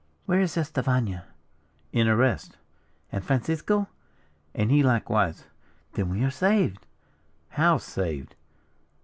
"Where is Estefania?" "In arrest." "And Francisco?" "And he likewise." "Then we are saved." "How saved?"